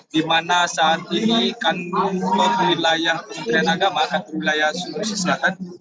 di mana saat ini kandung pemilai yang pemerintahan agama kandung pemilai yang sulawesi selatan